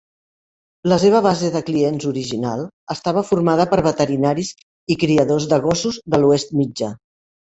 La seva base de clients original estava formada per veterinaris i criadors de gossos de l'Oest Mitjà.